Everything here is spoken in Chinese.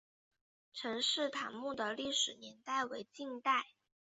陈式坦墓的历史年代为近代。